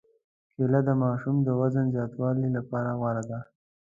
کېله د ماشوم د وزن زیاتولو لپاره غوره ده.